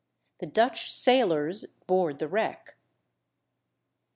THE DUTCH SAILORS BOARD THE WRECK.